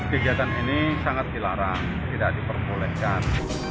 kegiatan ini sangat dilarang tidak diperbolehkan